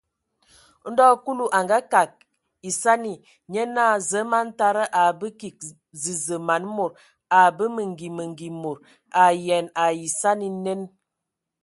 Ndo Kulu a ngakag esani, nye naa: Zǝə, man tada, a a mbǝ kig zəzə man mod. A mbə mengi mengi mod. A ayean ai esani nen !